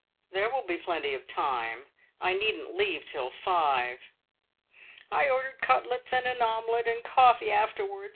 There will be plenty of time; I needn't leave till five." "I ordered cutlets, and an omelette, and coffee afterwards.